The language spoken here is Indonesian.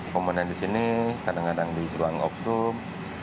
komunan di sini kadang kadang di selang oksrum